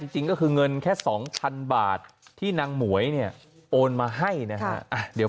จริงก็คือเงินแค่๒๐๐๐บาทที่นางหมวยเนี่ยโอนมาให้นะฮะ